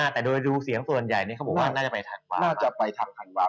แต่โดยดูเสียงส่วนใหญ่นี้เขาบอกว่าน่าจะไปธันวาน่าจะไปทางธันวาค